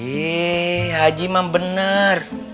ih haji mah bener